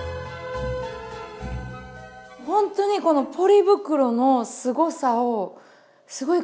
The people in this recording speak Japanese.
ほんとにこのポリ袋のすごさをすごい感じました。